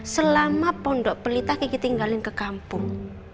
selama pondok pelita kiki tinggalin ke kampung